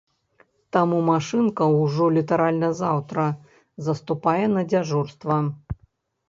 Таму, машынка ўжо літаральна заўтра заступае на дзяжурства.